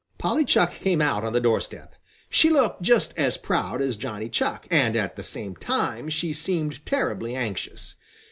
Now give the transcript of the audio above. Polly Chuck came out on the doorstep. She looked just as proud as Johnny Chuck, and at the same time she seemed terribly anxious.